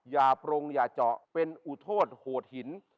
อย่าโปรงอย่าเจาะเป็นอุทธโทษโหดหิน